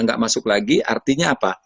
nggak masuk lagi artinya apa